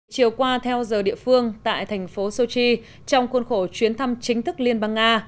chiều qua theo giờ địa phương tại thành phố sochi trong khuôn khổ chuyến thăm chính thức liên bang nga